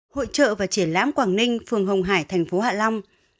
hội trợ và triển lãm quảng ninh phường hồng hải thành phố hạ long